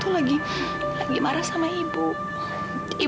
lara mau sama om gustaf